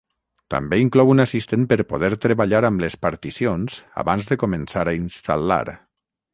També inclou un assistent per poder treballar amb les particions abans de començar a instal·lar.